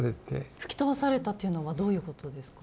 吹き飛ばされたというのはどういうことですか？